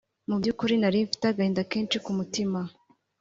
Mu by’ukuri nari mfite agahinda kenshi ku mutima